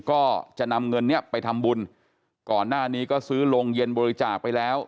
ก็จะนำเงินเนี้ยไปทำบุญก่อนหน้านี้ก็ซื้อโรงเย็นบริจาคไปแล้ว